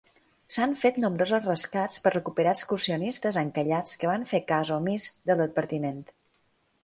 S'han fet nombrosos rescats per recuperar excursionistes encallats que van fer cas omís de l'advertiment.